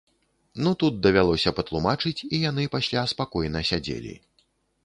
Ну тут давялося патлумачыць, і яны пасля спакойна сядзелі.